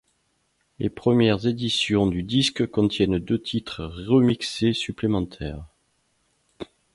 Les premières éditions du disque contiennent deux titres remixés supplémentaires.